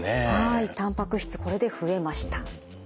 たんぱく質これで増えました。